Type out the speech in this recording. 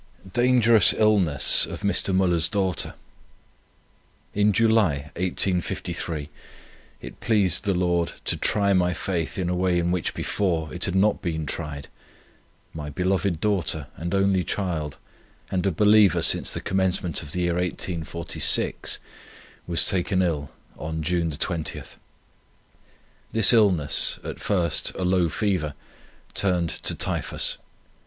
DANGEROUS ILLNESS OF MR. MÜLLER'S DAUGHTER. "In July, 1853, it pleased the Lord to try my faith in a way in which before it had not been tried. My beloved daughter and only child, and a believer since the commencement of the year 1846, was taken ill on June 20th. "This illness, at first a low fever, turned to typhus.